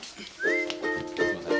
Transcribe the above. すいません。